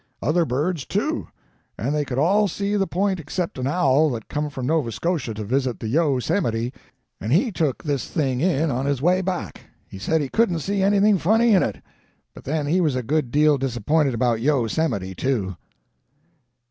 Other birds, too. And they could all see the point except an owl that come from Nova Scotia to visit the Yo Semite, and he took this thing in on his way back. He said he couldn't see anything funny in it. But then he was a good deal disappointed about Yo Semite, too."